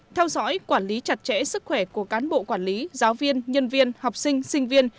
theo dõi quản lý chặt chẽ sức khỏe của cán bộ quản lý giáo viên nhân viên học sinh sinh viên